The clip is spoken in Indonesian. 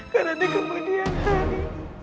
karena di kemudian hari